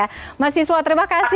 terima kasih siswo terima kasih